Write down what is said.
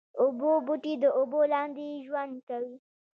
اوبو بوټي د اوبو لاندې ژوند کوي